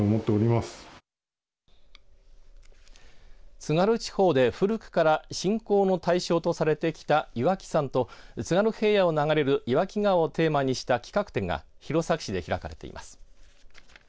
津軽地方で、古くから信仰の対象とされてきた岩木山と津軽平野を流れる岩木川をテーマにした企画展が弘前市で開かれています。